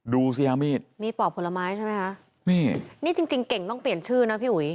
ดูซิยามีดมีปอกผลไม้ใช่ไหมค่ะนี่จริงเก่งต้องเปลี่ยนชื่อนะพี่หุย